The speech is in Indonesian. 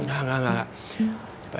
enggak enggak enggak